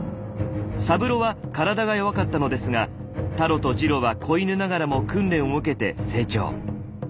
サブロは体が弱かったのですがタロとジロは子犬ながらも訓練を受けて成長。